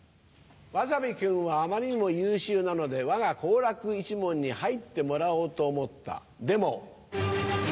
わさび君はあまりにも優秀なのでわが好楽一門に入ってもらおうと思ったでも！